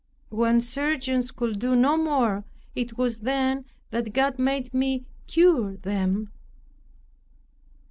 When surgeons could do no more, it was then that God made me cure them.